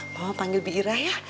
mama panggil bira ya